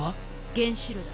原子炉だ。